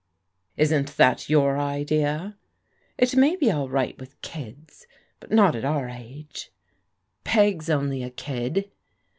'* Isn't that your idea? "It may be all right with kids, but not at our age." " Peg's only a kid."